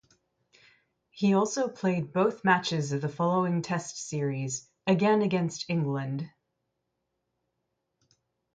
He also played both matches of the following Test series, again against England.